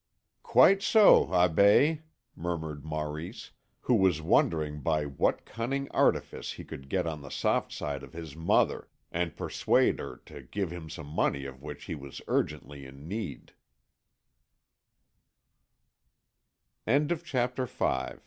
"Quite so, Abbé," murmured Maurice, who was wondering by what cunning artifice he could get on the soft side of his mother and persuade her to give him some money of which he was urgently i